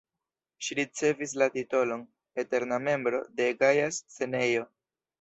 Ŝi ricevis la titolon "eterna membro" de Gaja Scenejo.